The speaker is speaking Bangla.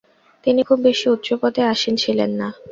তিনি খুব বেশি উচ্চ পদে আসীন ছিলেন না।